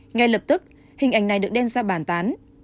ngay lập tức hình ảnh này được đem ra bàn tán